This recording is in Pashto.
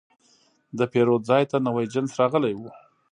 د پیرود ځای ته نوی جنس راغلی و.